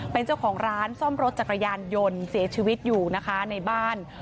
เป็นเจ้าของร้านซ่อมรถจักรยานยนต์เสียชีวิตอยู่นะคะในบ้าน